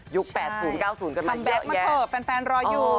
ยุค๘๐๙๐ก็มีเยอะแยะนะครับฟันแฟนรออยู่